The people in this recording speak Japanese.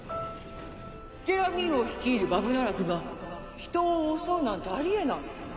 ジェラミー王率いるバグナラクが人を襲うなんてあり得ない。